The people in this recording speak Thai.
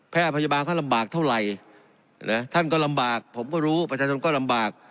พยาบาลเขาลำบากเท่าไหร่นะท่านก็ลำบากผมก็รู้ประชาชนก็ลำบาก